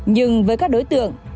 nhưng với các đối tượng